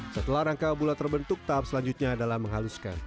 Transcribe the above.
setelah rangka bulat terbentuk tahap selanjutnya adalah menghaluskan